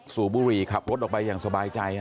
สูบบุหรี่ขับรถออกไปอย่างสบายใจ